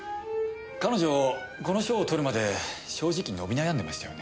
彼女この賞を取るまで正直伸び悩んでましたよね。